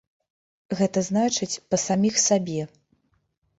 Гэта значыць, па саміх сабе.